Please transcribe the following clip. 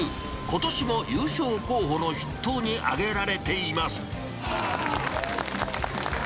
ことしも優勝候補の筆頭に挙げられています。